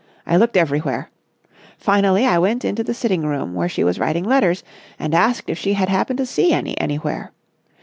I looked everywhere. Finally, I went into the sitting room where she was writing letters and asked if she had happened to see any anywhere.